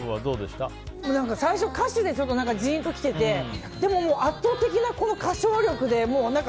最初、歌詞でジーンと来ててでも、圧倒的な歌唱力で。